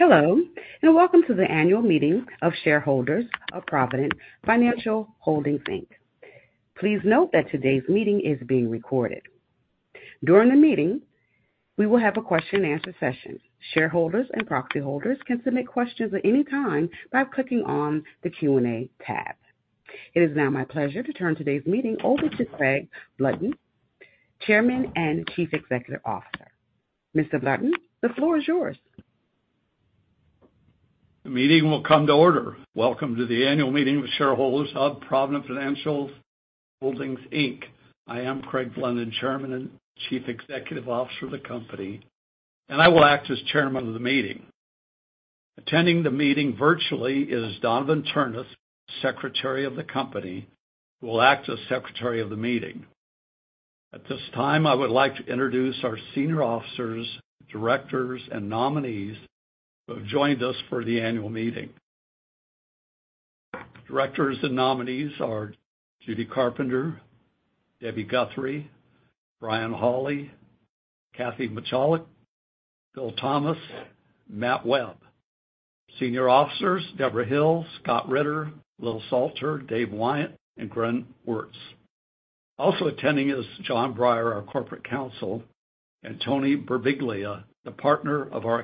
Hello, and welcome to the annual meeting of shareholders of Provident Financial Holdings, Inc. Please note that today's meeting is being recorded. During the meeting, we will have a question and answer session. Shareholders and proxy holders can submit questions at any time by clicking on the Q&A tab. It is now my pleasure to turn today's meeting over to Craig Blunden, Chairman and Chief Executive Officer. Mr. Blunden, the floor is yours. The meeting will come to order. Welcome to the annual meeting of shareholders of Provident Financial Holdings, Inc. I am Craig Blunden, Chairman and Chief Executive Officer of the company, and I will act as chairman of the meeting. Attending the meeting virtually is Donavon Ternes, Secretary of the company, who will act as Secretary of the meeting. At this time, I would like to introduce our senior officers, directors, and nominees who have joined us for the annual meeting. Directors and nominees are Judy A. Carpenter, Debbi Guthrie, Brian Hawley, Kathy Michalak, Bill Thomas, Matt Webb. Senior officers Deborah Hill, Scott Ritter, Will Salter, Dave Wyatt, and Glenn Wertz. Also attending is John Breyer, our Corporate Counsel, and Tony Birbiglia, the partner of our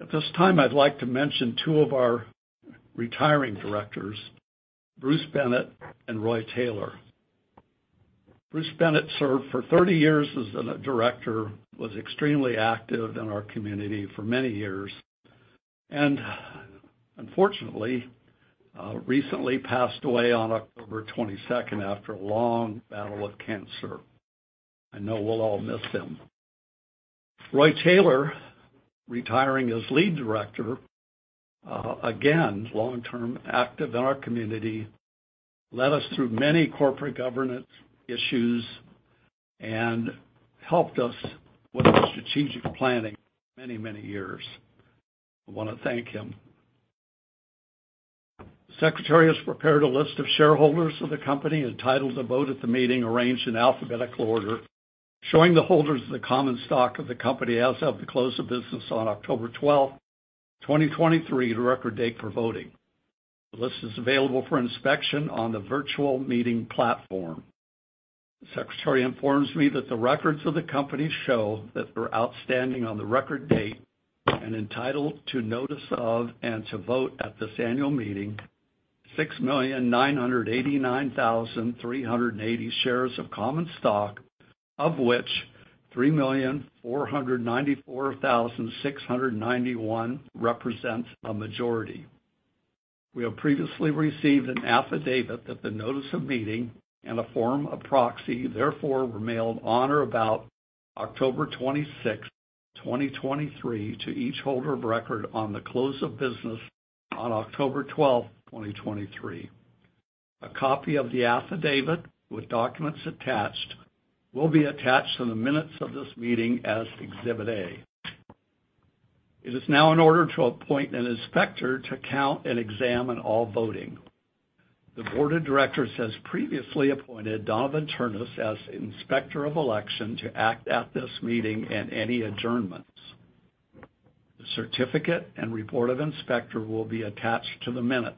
accounting firm. At this time, I'd like to mention two of our retiring directors, Bruce Bennett and Roy Taylor. Bruce Bennett served for 30 years as a director, was extremely active in our community for many years, and unfortunately, recently passed away on October 22nd after a long battle with cancer. I know we'll all miss him. Roy Taylor, retiring as lead director, again, long-term, active in our community, led us through many corporate governance issues and helped us with our strategic planning many, many years. I want to thank him. The secretary has prepared a list of shareholders of the company entitled to vote at the meeting, arranged in alphabetical order, showing the holders of the common stock of the company as of the close of business on October 12th, 2023, the record date for voting. The list is available for inspection on the virtual meeting platform. The secretary informs me that the records of the company show that they're outstanding on the record date and entitled to notice of, and to vote at this annual meeting, 6,989,380 shares of common stock, of which 3,494,691 represents a majority. We have previously received an affidavit that the notice of meeting and a form of proxy, therefore, were mailed on or about October 26th, 2023, to each holder of record on the close of business on October 12th, 2023. A copy of the affidavit with documents attached, will be attached to the minutes of this meeting as Exhibit A. It is now in order to appoint an inspector to count and examine all voting. The board of directors has previously appointed Donavon Ternes as Inspector of Election to act at this meeting and any adjournments. The certificate and report of inspector will be attached to the minutes.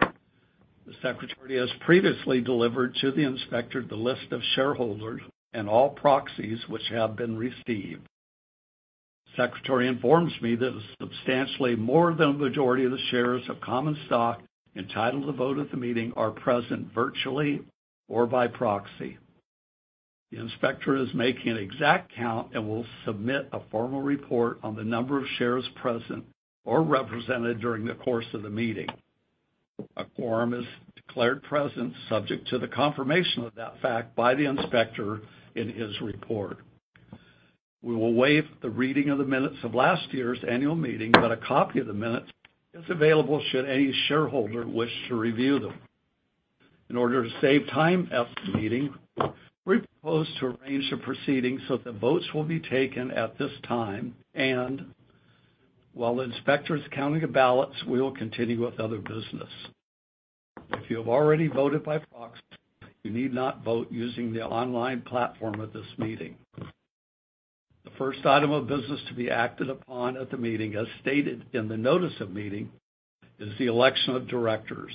The Secretary has previously delivered to the inspector the list of shareholders and all proxies which have been received. Secretary informs me that substantially more than the majority of the shares of common stock entitled to vote at the meeting are present, virtually or by proxy. The inspector is making an exact count and will submit a formal report on the number of shares present or represented during the course of the meeting. A quorum is declared present, subject to the confirmation of that fact by the inspector in his report. We will waive the reading of the minutes of last year's annual meeting, but a copy of the minutes is available should any shareholder wish to review them. In order to save time at this meeting, we propose to arrange the proceedings so that the votes will be taken at this time, and while the inspector is counting the ballots, we will continue with other business. If you have already voted by proxy, you need not vote using the online platform at this meeting. The first item of business to be acted upon at the meeting, as stated in the notice of meeting, is the election of directors.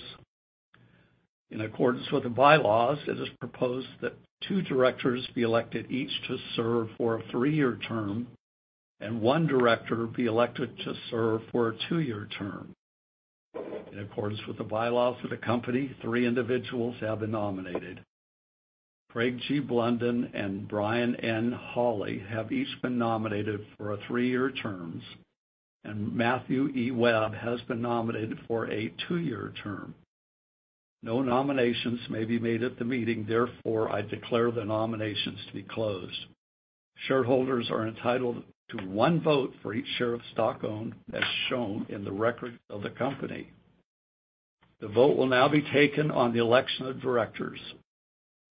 In accordance with the bylaws, it is proposed that two directors be elected, each to serve for a three-year term, and one director be elected to serve for a two-year term. In accordance with the bylaws of the company, three individuals have been nominated. Craig G. Blunden and Brian N. Hawley have each been nominated for three-year terms, and Matthew E. Webb has been nominated for a two-year term. No nominations may be made at the meeting, therefore, I declare the nominations to be closed. Shareholders are entitled to one vote for each share of stock owned, as shown in the records of the company. The vote will now be taken on the election of directors.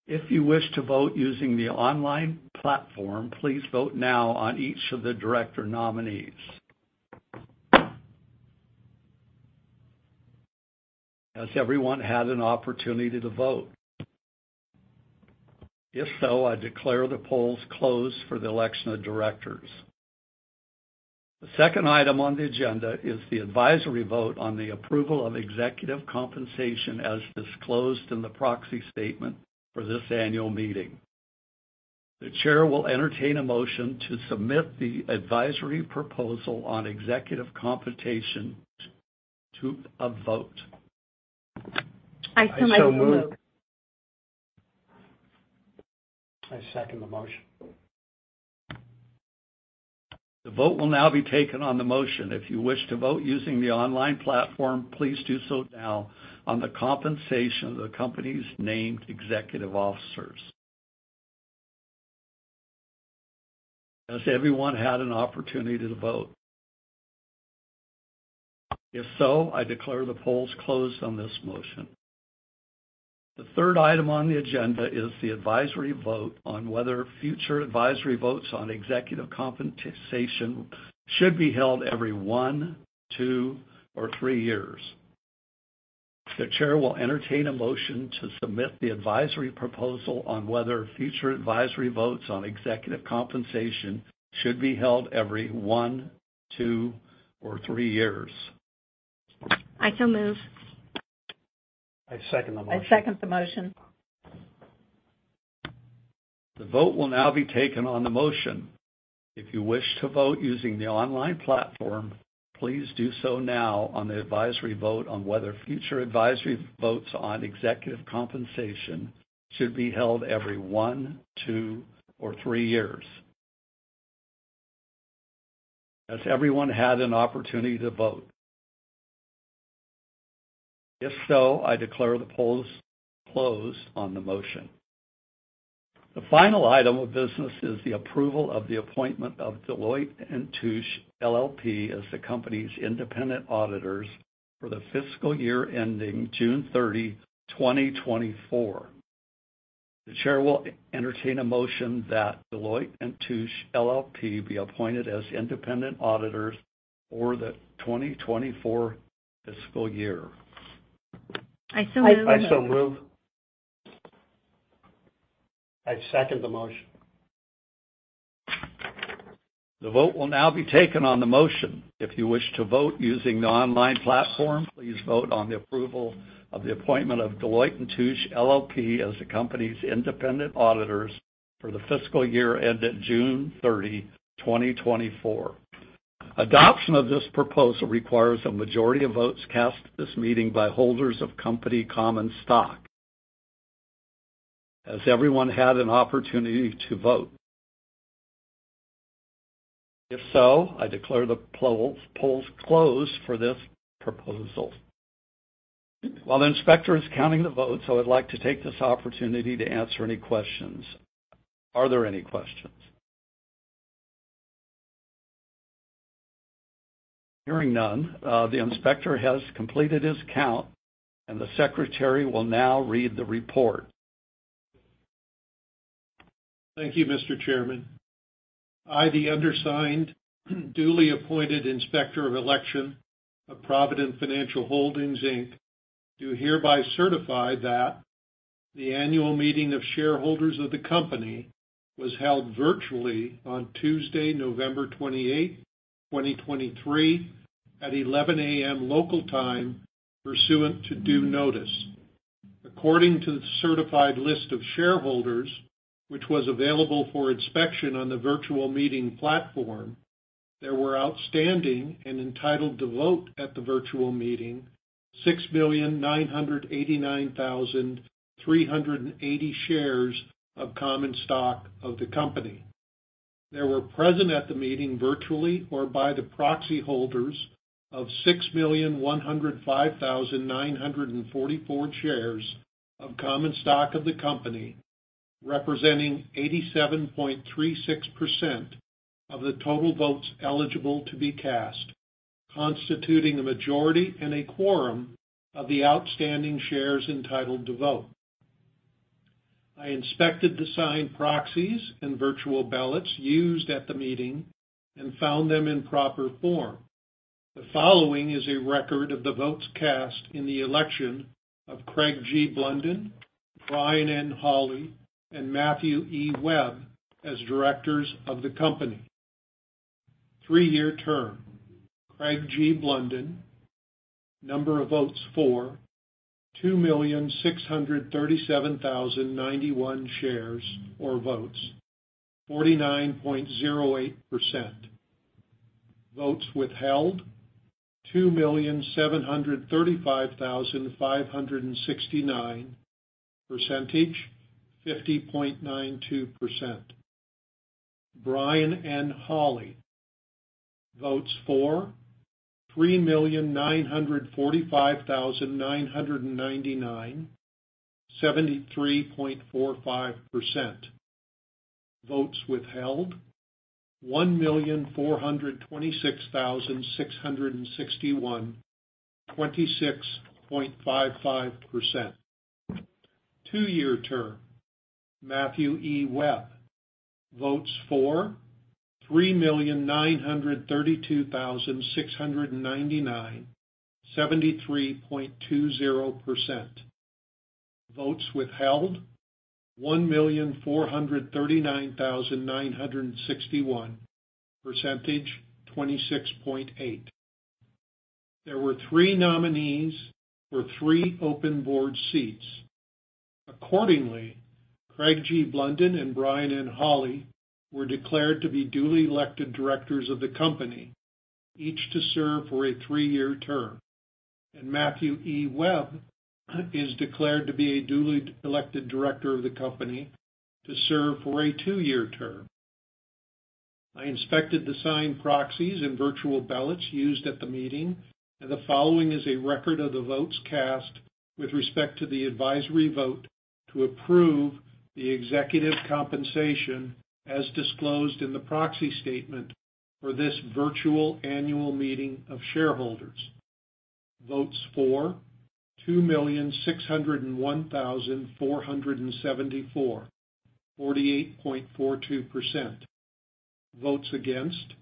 If you wish to vote using the online platform, please vote now on each of the director nominees.... Has everyone had an opportunity to vote? If so, I declare the polls closed for the election of directors. The second item on the agenda is the advisory vote on the approval of executive compensation, as disclosed in the proxy statement for this annual meeting. The Chair will entertain a motion to submit the advisory proposal on executive compensation to a vote. I so move. I so move. I second the motion. The vote will now be taken on the motion. If you wish to vote using the online platform, please do so now on the compensation of the company's named executive officers. Has everyone had an opportunity to vote? If so, I declare the polls closed on this motion. The third item on the agenda is the advisory vote on whether future advisory votes on executive compensation should be held every one, two, or three years. The Chair will entertain a motion to submit the advisory proposal on whether future advisory votes on executive compensation should be held every one, two, or three years. I so move. I second the motion. I second the motion. The vote will now be taken on the motion. If you wish to vote using the online platform, please do so now on the advisory vote on whether future advisory votes on executive compensation should be held every 1, 2, or 3 years. Has everyone had an opportunity to vote? If so, I declare the polls closed on the motion. The final item of business is the approval of the appointment of Deloitte & Touche LLP as the company's independent auditors for the fiscal year ending June 30th, 2024. The chair will entertain a motion that Deloitte & Touche LLP be appointed as independent auditors for the 2024 fiscal year. I so move. I so move. I second the motion. The vote will now be taken on the motion. If you wish to vote using the online platform, please vote on the approval of the appointment of Deloitte & Touche LLP as the company's independent auditors for the fiscal year ending June 30th, 2024. Adoption of this proposal requires a majority of votes cast at this meeting by holders of company common stock. Has everyone had an opportunity to vote? If so, I declare the polls, polls closed for this proposal. While the inspector is counting the votes, I would like to take this opportunity to answer any questions. Are there any questions? Hearing none, the inspector has completed his count, and the secretary will now read the report. Thank you, Mr. Chairman. I, the undersigned, duly appointed Inspector of Election of Provident Financial Holdings, Inc., do hereby certify that the annual meeting of shareholders of the company was held virtually on Tuesday, November 28th, 2023, at 11 A.M. local time, pursuant to due notice. According to the certified list of shareholders, which was available for inspection on the virtual meeting platform, there were outstanding and entitled to vote at the virtual meeting 6,989,380 shares of common stock of the company. There were present at the meeting, virtually or by the proxy holders of 6,105,944 shares of common stock of the company, representing 87.36% of the total votes eligible to be cast, constituting a majority and a quorum of the outstanding shares entitled to vote. I inspected the signed proxies and virtual ballots used at the meeting and found them in proper form. The following is a record of the votes cast in the election of Craig G. Blunden, Brian N. Hawley, and Matthew E. Webb as directors of the company. Three-year term. Craig G. Blunden, number of votes for, 2,637,091 shares or votes, 49.08%. Votes withheld, 2,735,569, percentage, 50.92%. Brian N. Hawley, votes for 3,945,999, 73.45%. Votes withheld, 1,426,661, 26.55%. Two-year term, Matthew E. Webb. Votes for: 3,932,699, 73.20%. Votes withheld: 1,439,961, 26.8%. There were three nominees for three open board seats. Accordingly, Craig G. Blunden and Brian N. Hawley were declared to be duly elected directors of the company, each to serve for a three-year term, and Matthew E. Webb is declared to be a duly elected director of the company to serve for a two-year term. I inspected the signed proxies and virtual ballots used at the meeting, and the following is a record of the votes cast with respect to the advisory vote to approve the executive compensation as disclosed in the proxy statement for this virtual annual meeting of shareholders. Votes for: 2,601,474, 48.42%. Votes against: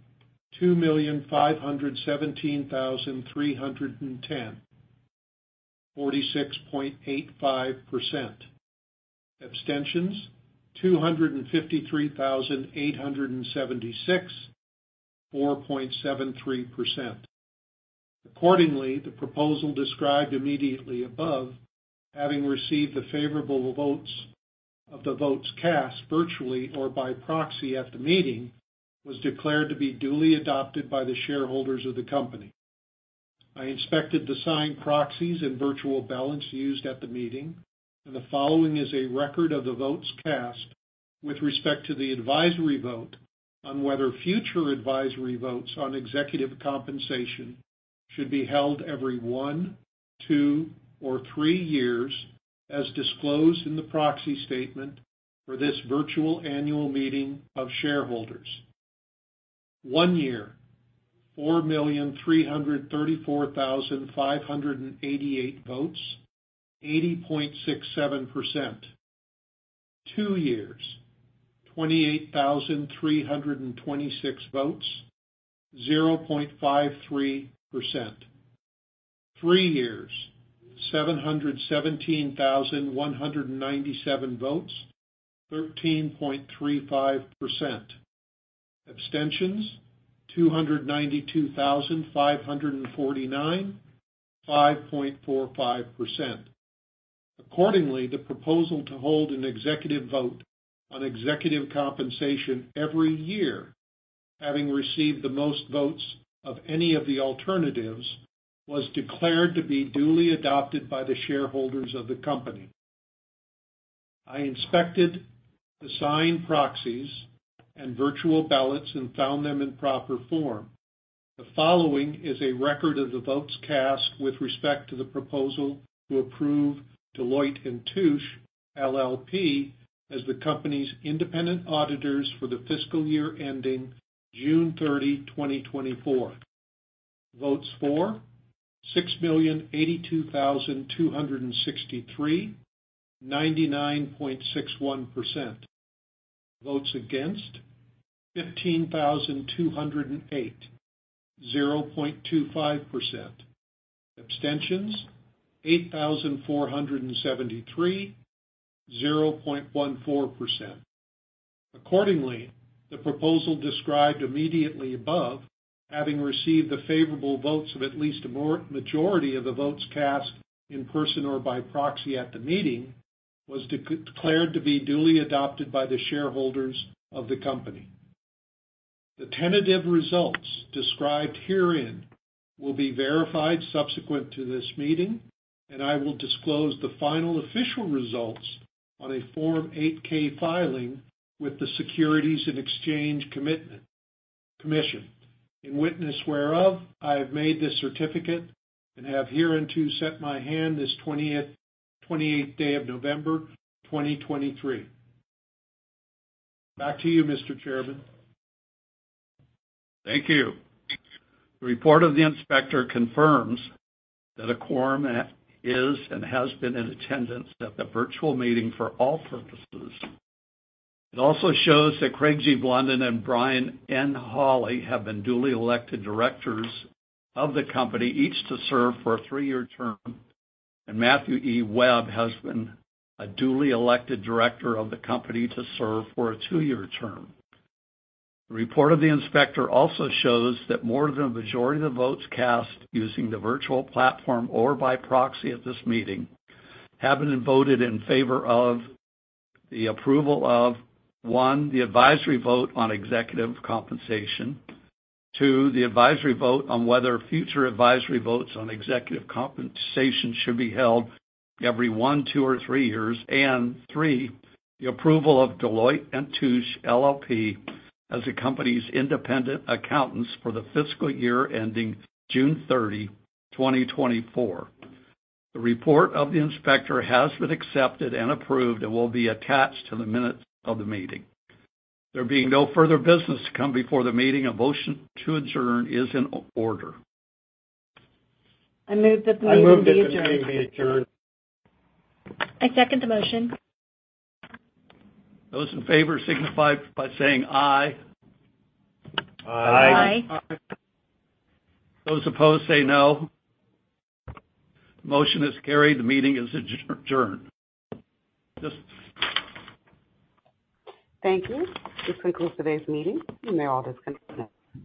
2,517,310, 46.85%. Abstentions: 253,876, 4.73%. Accordingly, the proposal described immediately above, having received the favorable votes of the votes cast virtually or by proxy at the meeting, was declared to be duly adopted by the shareholders of the company. I inspected the signed proxies and virtual ballots used at the meeting, and the following is a record of the votes cast with respect to the advisory vote on whether future advisory votes on executive compensation should be held every one, two, or three years, as disclosed in the proxy statement for this virtual annual meeting of shareholders. One year: 4,334,588 votes, 80.67%. Two years: 28,326 votes, 0.53%. Three years: 717,197 votes, 13.35%. Abstentions: 292,549, 5.45%. Accordingly, the proposal to hold an executive vote on executive compensation every year, having received the most votes of any of the alternatives, was declared to be duly adopted by the shareholders of the company. I inspected the signed proxies and virtual ballots and found them in proper form. The following is a record of the votes cast with respect to the proposal to approve Deloitte & Touche LLP as the company's independent auditors for the fiscal year ending June 30th, 2024. Votes for: 6,082,263, 99.61%. Votes against: 15,208, 0.25%. Abstentions: 8,473, 0.14%. Accordingly, the proposal described immediately above, having received the favorable votes of at least a majority of the votes cast in person or by proxy at the meeting, was declared to be duly adopted by the shareholders of the company. The tentative results described herein will be verified subsequent to this meeting, and I will disclose the final official results on a Form 8-K filing with the Securities and Exchange Commission. In witness whereof, I have made this certificate and have hereto set my hand this 28th day of November 2023. Back to you, Mr. Chairman. Thank you. The report of the inspector confirms that a quorum is and has been in attendance at the virtual meeting for all purposes. It also shows that Craig G. Blunden and Brian N. Hawley have been duly elected directors of the company, each to serve for a three-year term, and Matthew E. Webb has been a duly elected director of the company to serve for a two-year term. The report of the inspector also shows that more than a majority of the votes cast using the virtual platform or by proxy at this meeting have been voted in favor of the approval of, 1, the advisory vote on executive compensation, 2, the advisory vote on whether future advisory votes on executive compensation should be held every 1, 2, or 3 years, and 3, the approval of Deloitte & Touche LLP as the company's independent accountants for the fiscal year ending June 30th, 2024. The report of the inspector has been accepted and approved and will be attached to the minutes of the meeting. There being no further business to come before the meeting, a motion to adjourn is in order. I move that the meeting be adjourned. I second the motion. Those in favor, signify it by saying aye. Aye. Aye. Those opposed, say no. Motion is carried. The meeting is adjourned. Just- Thank you. This concludes today's meeting, you may all disconnect.